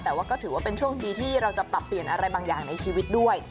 แต่ว่าก็ถือว่าเป็นช่วงดีที่เราจะปรับเปลี่ยนอะไรบางอย่างในชีวิตด้วย